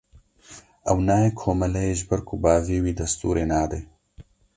Ew nayê komeleyê ji ber ku bavê wî destûrê nade.